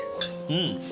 うん。